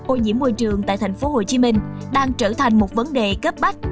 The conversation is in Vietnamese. ô nhiễm môi trường tại thành phố hồ chí minh đang trở thành một vấn đề cấp bách